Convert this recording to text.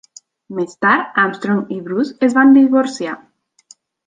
Més tard, Armstrong i Bruce es van divorciar